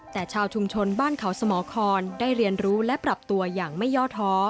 แต่ชาวชุมชนบ้านเขาสมครได้เรียนรู้และปรับตัวอย่างไม่ย่อท้อ